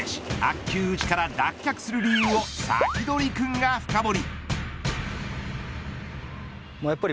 球打ちから脱却する理由をサキドリくんが深掘り。